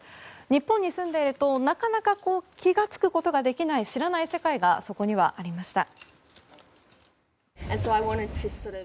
日本に住んでいるとなかなか気が付くことができない知らない世界がそこにはありました。